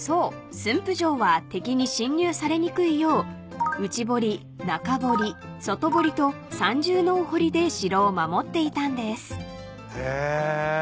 駿府城は敵に侵入されにくいよう内堀中堀外堀と三重のお堀で城を守っていたんです］へ。